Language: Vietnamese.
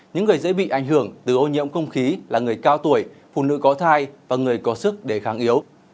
những người dễ bị ảnh hưởng từ ô nhiễm không khí là người cao tuổi phụ nữ có thai và người có sức đề kháng yếu